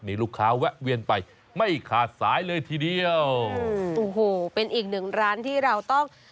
มีลูกค้าแวะเวียนไปไม่ขาดสายเลยทีเดียวโอ้โหเป็นอีกหนึ่งร้านที่เราต้อง